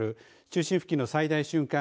中心付近の最大瞬間